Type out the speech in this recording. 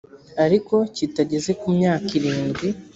ariko kitageze ku myaka irindwi